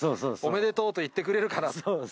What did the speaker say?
おめでとうと言ってくれるかな。